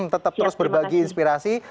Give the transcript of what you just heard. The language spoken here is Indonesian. tetap terus berbagi inspirasi